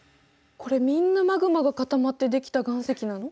これみんなマグマが固まって出来た岩石なの？